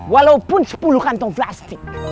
walaupun sepuluh kantong plastik